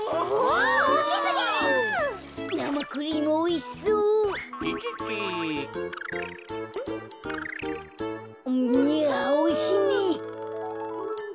いやおいしいね。